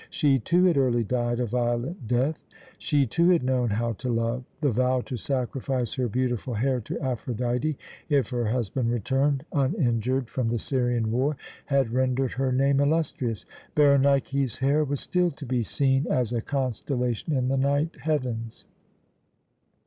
She, too, had early died a violent death; she, too, had known how to love. The vow to sacrifice her beautiful hair to Aphrodite if her husband returned uninjured from the Syrian war had rendered her name illustrious. "Berenike's Hair" was still to be seen as a constellation in the night heavens.